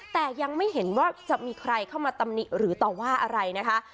แต่ยังไม่เห็นว่าจะมีใครเข้ามาตำหนิหรือต่อว่าอะไรนะคะ